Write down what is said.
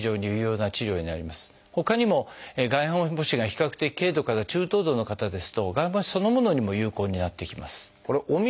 ほかにも外反母趾が比較的軽度から中等度の方ですと外反母趾そのものにも有効になってきます。